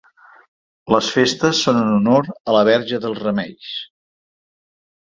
Les festes són en honor a la Verge dels Remeis.